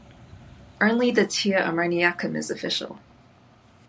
Only the "tear ammoniacum" is official.